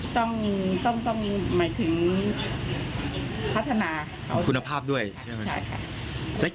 ต้องต้องต้องหมายถึงพัฒนาคุณภาพด้วยใช่ไหมใช่ค่ะ